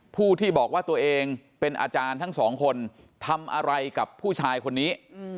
ผู้ที่บอกว่าตัวเองเป็นอาจารย์ทั้งสองคนทำอะไรกับผู้ชายคนนี้